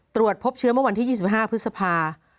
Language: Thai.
ตรวจพบเชื้อเมื่อวันที่๒๕พฤษภา